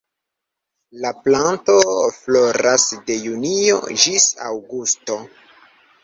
La planto floras de junio ĝis aŭgusto.